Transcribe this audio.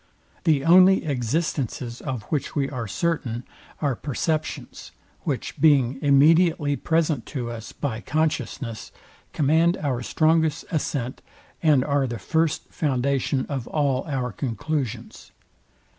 The only existences, of which we are certain, are perceptions, which being immediately present to us by consciousness, command our strongest assent, and are the first foundation of all our conclusions.